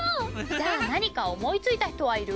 じゃあ何か思いついた人はいる？